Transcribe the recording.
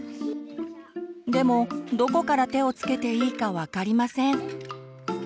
でもどこから手をつけていいか分かりません。